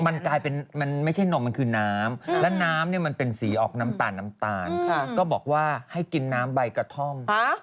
มันไม่ใช่นมมันคือน้ำและน้ำมันเป็นสีออกน้ำตาลก็บอกว่าให้กินน้ำใบกระท่อม